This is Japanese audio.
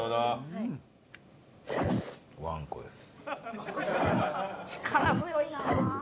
わんこです。